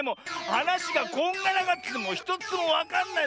はなしがこんがらがっててひとつもわかんない。